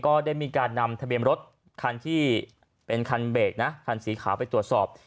ก็ได้มีการนำทะเบียนรถคันที่เป็นคันเบรกนะคันสีขาวไปตรวจสอบ